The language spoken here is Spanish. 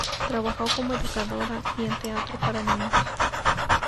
Trabajó como educadora y en teatro para niños.